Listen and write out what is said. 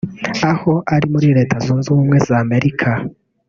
aho ari muri Leta Zunze Ubumwe z’Amerika